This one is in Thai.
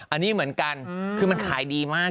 อันนี้เหมือนกันคือมันขายดีมาก